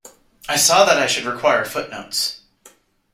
I saw that I should require footnotes.